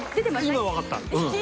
今分かった。